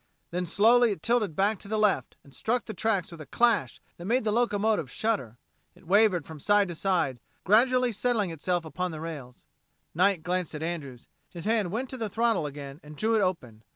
Then slowly it tilted back to the left and struck the tracks with a clash that made the locomotive shudder. It wavered from side to side, gradually settling itself upon the rails. Knight glanced at Andrews; his hand went to the throttle again and drew it open.